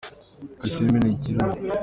kalisimbi ni ikirunga